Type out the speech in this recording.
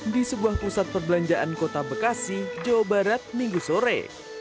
di sebuah pusat perbelanjaan kota bekasi jawa barat minggu sore